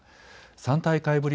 ３大会ぶり